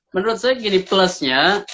menurut saya gini plusnya